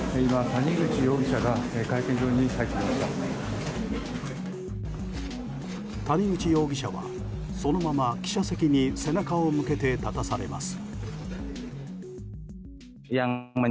谷口容疑者はそのまま記者席に背中を向けて立たされます。